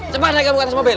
cepat naik ke atas mobil